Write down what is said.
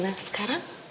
ibu adrina sekarang